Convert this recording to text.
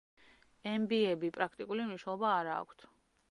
ემბიები პრაქტიკული მნიშვნელობა არა აქვთ.